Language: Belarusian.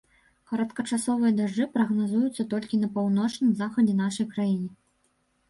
Кароткачасовыя дажджы прагназуюцца толькі на паўночным захадзе нашай краіны.